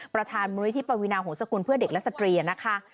ประธานมนุษย์ที่ปวินาหงศกุลเพื่อเด็กและสตรีนะคะ